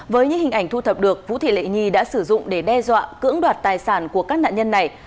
với những hình ảnh thu thập được vũ thị lệ nhi đã sử dụng để đe dọa cưỡng đoạt tài sản của các nạn nhân này